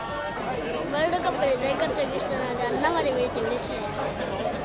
ワールドカップで大活躍したので、生で見れて、うれしいです。